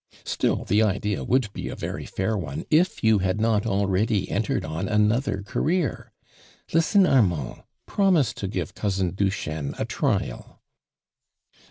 Still, the idea would be a very fair one if you had not already enter ed on another career. Listen, Armand ! Promise to give cousin Duchesne a trial."